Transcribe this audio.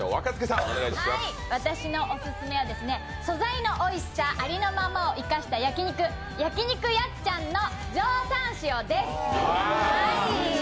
私のオススメは素材のおいしさありのままを生かした焼肉やっちゃんの上タン塩です。